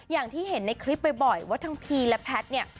อย่างที่เห็นในคลิปบ่อยว่าทั้งพีและแพทย์เนี่ย